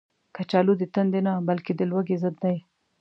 کچالو د تندې نه، بلکې د لوږې ضد دی